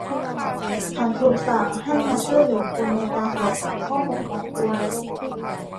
ฉันถูกสั่งให้มาช่วยเหลือคุณในการสอบถามข้อมูลของคุณ